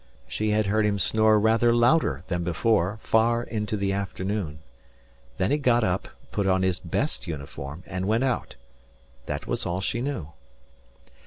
She had heard him snore rather louder than before far into the afternoon. Then he got up, put on his best uniform and went out. That was all she knew.